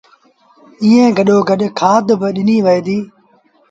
ائيٚݩ گڏو گڏ کآڌ با ڏنيٚ وهي ديٚ